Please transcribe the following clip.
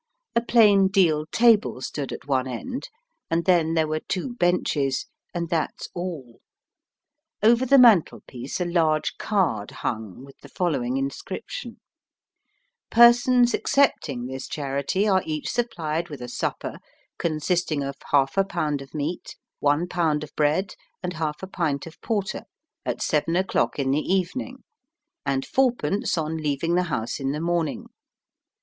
A plain deal table stood at one end, and then there were two benches, and that's all. Over the mantelpiece a large card hung with the following inscription: "Persons accepting this charity are each supplied with a supper, consisting of half a pound of meat, one pound of bread, and half a pint of porter at seven o'clock in the evening, and fourpence on leaving the house in the morning.